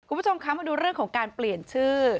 คุณผู้ชมคะมาดูเรื่องของการเปลี่ยนชื่อ